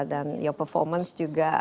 dan your performance juga